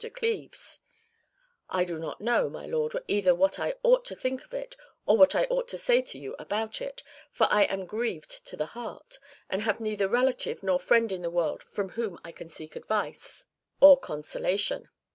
de Cleves, I do not know, my lord, either what I ought to think of it, or what I ought to say to you about it, for I am grieved to the heart, and have neither relative nor friend in the world from whom I can seek advice or consolation.